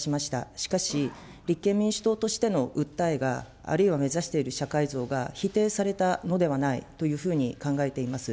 しかし、立憲民主党としての訴えが、あるいは目指している社会像が否定されたのではないというふうに考えています。